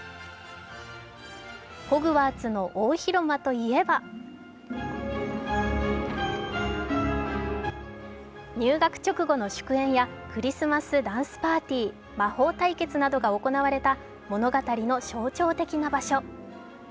ホグワーツの大広間といえば入学直後の祝宴やクリスマスダンスパーティー、魔法対決などが行われた物語の象徴的な場所。